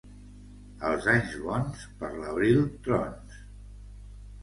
Els anys bons, per l'abril trons.